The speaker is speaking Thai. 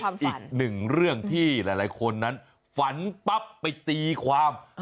อีกหนึ่งเรื่องที่หลายคนนั้นฝันปั๊บไปตีความ